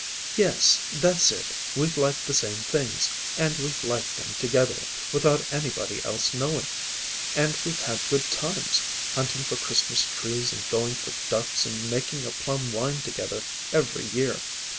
"Yes, that's it; we've liked the same things and we've liked them together, without anybody else knowing. And we've had good times, hunting for Christmas trees and going for ducks and making our plum wine together every year.